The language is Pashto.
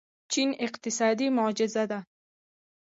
چین اقتصادي معجزه ده.